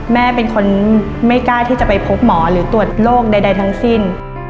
แม่เป็นคนไม่กล้าที่จะไปพบหมอหรือตรวจโรคใดทั้งสิ้น